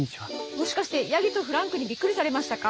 もしかしてヤギとフランクにびっくりされましたか？